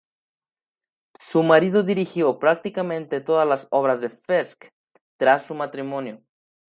Su marido dirigió prácticamente todas las obras de Fiske tras su matrimonio.